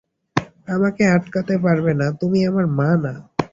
আমাকে আটকাতে পারবে না, তুমি আমার মা না।